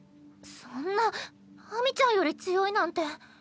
そんな秋水ちゃんより強いなんて。